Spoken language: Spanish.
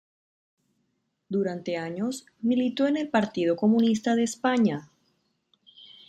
Durante años militó en el Partido Comunista de España.